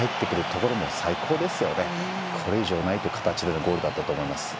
これ以上ない形でのゴールだったと思います。